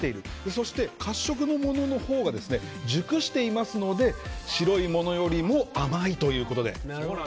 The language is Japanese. そして、褐色のもののほうが熟していますので白いものより甘いということで。